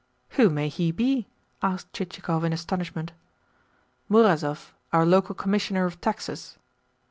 "Who may he be?" asked Chichikov in astonishment. "Murazov, our local Commissioner of Taxes."